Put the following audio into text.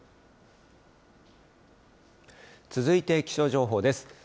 続いて気象情報です。